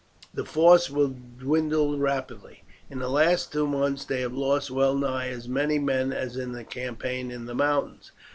The force will dwindle rapidly. In the last two months they have lost well nigh as many men as in the campaign in the mountains.